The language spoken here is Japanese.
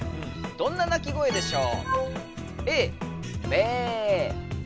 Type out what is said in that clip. どんな鳴き声でしょう？